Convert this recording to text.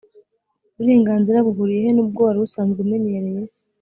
ubu burenganzira buhuriye he n' ubwo wari usanzwe umenyereye